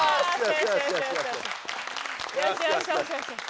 よしよしよしよし。